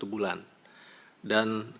satu bulan dan